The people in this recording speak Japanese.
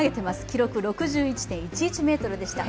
記録６１．１１ｍでした。